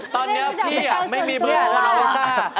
ตอนนี้พี่ไม่มีเบอร์โทรน้องลิซ่า